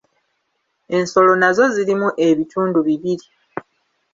Ensolo nazo zirimu ebitundu bibiri.